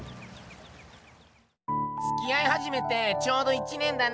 つきあいはじめてちょうど１年だね。